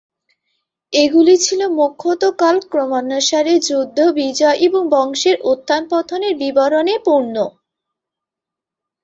এগুলি ছিলো মুখ্যত কালক্রমানুসারে যুদ্ধ, বিজয় এবং বংশের উত্থান-পতনের বিবরণে পূর্ণ।